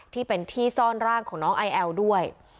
ที่เป็นที่ซ่อนร่างของน้องไอแอลด้วย